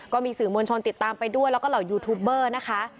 ก็มีสื่อมวลชนติดตามไปด้วยแล้วก็เหล่ายูทูบเบอร์นะคะ